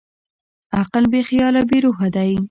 عقل بېخیاله بېروحه دی.